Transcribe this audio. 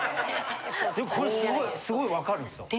これすごい分かるんですよ。